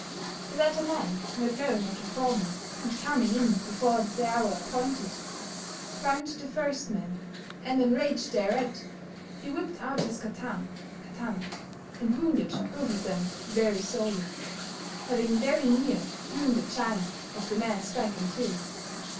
The latter man, not knowing of the former, and comming in before the houre appointed, found the first man, and enraged thereat, he whipped out his cattan [katana] and wounded both of them very sorely, hauing very neere hewn the chine of the mans back in two.